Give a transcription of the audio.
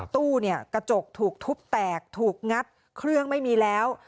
ตู้เนี่ยกระจกถูกทุบแตกถูกงัดเครื่องไม่มีแล้ว